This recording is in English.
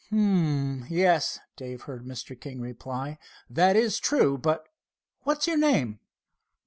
"H'm, yes," Dave heard Mr. King reply. "That is true, but—what's your name."